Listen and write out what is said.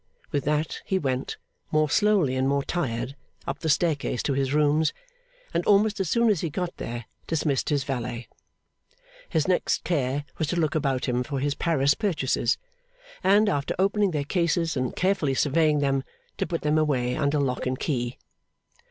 With that he went, more slowly and more tired, up the staircase to his rooms, and, almost as soon as he got there, dismissed his valet. His next care was to look about him for his Paris purchases, and, after opening their cases and carefully surveying them, to put them away under lock and key.